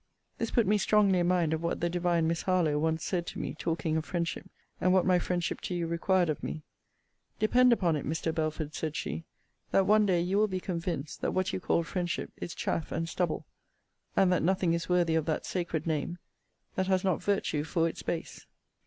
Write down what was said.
This put me strongly in mind of what the divine Miss HARLOWE once said to me, talking of friendship, and what my friendship to you required of me: 'Depend upon it, Mr. Belford,' said she, 'that one day you will be convinced, that what you call friendship, is chaff and stubble; and that nothing is worthy of that sacred name, 'That has not virtue for its base.'